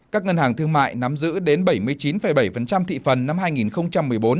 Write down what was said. các ngân hàng thương mại nắm giữ đến bảy mươi chín bảy thị phần năm hai nghìn một mươi bốn